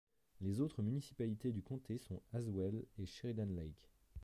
Les autres municipalités du comté sont Haswell et Sheridan Lake.